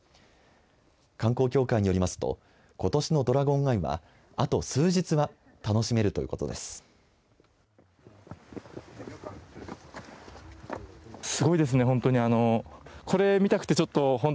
観光協会によりますとことしのドラゴンアイはあと数日は楽しめるということです。